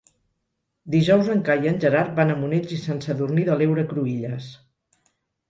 Dijous en Cai i en Gerard van a Monells i Sant Sadurní de l'Heura Cruïlles.